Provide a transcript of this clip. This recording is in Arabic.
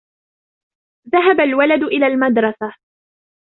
ذَهبَ الولَدُ إلى المدرَسةِ.